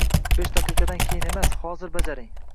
Besh daqiqadan keyin emas, hozir bajaring!